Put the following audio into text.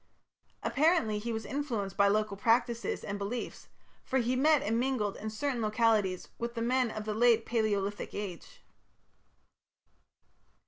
Apparently he was influenced by local practices and beliefs, for he met and mingled in certain localities with the men of the Late Palaeolithic Age.